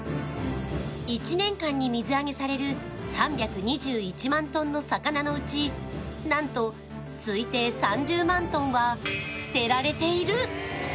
１年間に水揚げされる３２１万トンの魚のうちなんと推定３０万トンは捨てられている！